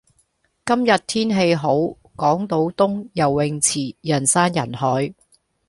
今日天氣好，港島東游泳池人山人海。